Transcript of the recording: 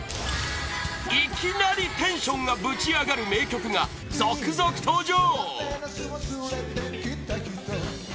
いきなりテンションがぶちアガる名曲が続々登場